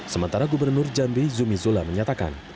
sementara gubernur jambi zumi zola menyatakan